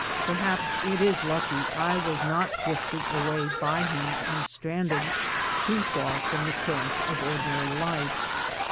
Perhaps it is lucky I was not drifted a.way by him and stranded, too far from the currents of ordinary life.